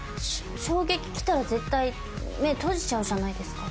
衝撃きたら絶対、目閉じちゃうじゃないですか。